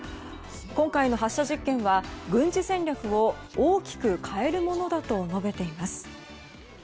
今回の発射実験は軍事戦略を大きく変えるものだと述べています。